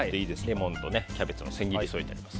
レモンとキャベツの千切りを添えてあります。